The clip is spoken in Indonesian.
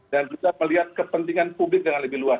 dan juga melihat kepentingan publik dengan lebih luas